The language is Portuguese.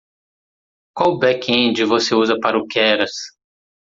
Qual backend você usa para o Keras?